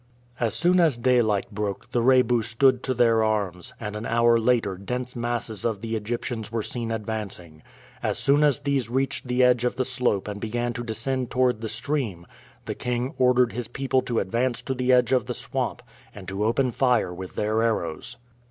As soon as daylight broke the Rebu stood to their arms, and an hour later dense masses of the Egyptians were seen advancing. As soon as these reached the edge of the slope and began to descend toward the stream, the king ordered his people to advance to the edge of the swamp and to open fire with their arrows.